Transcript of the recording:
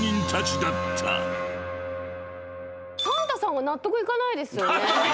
サンタさんは納得いかないですよね。